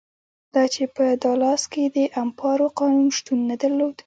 دا چې په دالاس کې د امپارو قانون شتون نه درلود.